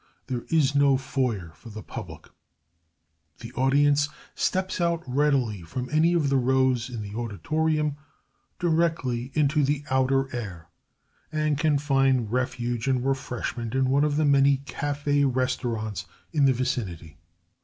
There is no foyer for the public. The audience steps out readily from any of the rows in the auditorium directly into the outer air, and can find refuge and refreshment in one of the many cafe restaurants in the vicinity.